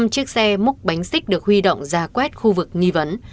năm chiếc xe múc bánh xích được huy động ra quét khu vực nghi vấn